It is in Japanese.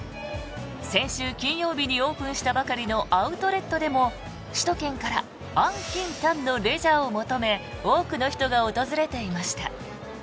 先週金曜日にオープンしたばかりのアウトレットでも首都圏から安近短のレジャーを求め多くの人が訪れていました。